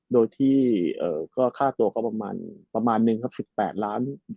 โดยที่ข้าตวก็ประมาณเพียบสิบแปดล้าน